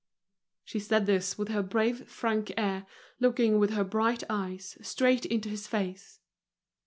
She said this with her brave, frank air, looking with her bright eyes straight into his face.